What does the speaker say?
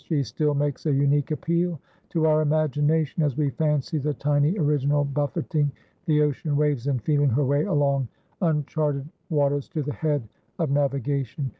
She still makes a unique appeal to our imagination as we fancy the tiny original buffeting the ocean waves and feeling her way along uncharted waters to the head of navigation.